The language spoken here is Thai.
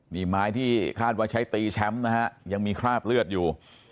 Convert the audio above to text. นี่ไม้ที่คาดว่าใช้ตีแชมป์นะฮะยังมีคราบเลือดอยู่